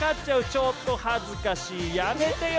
ちょっと恥ずかしい、やめてよ！